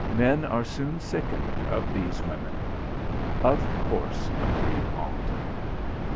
"Men are soon sickened of these women." "Of course," agreed Aunt.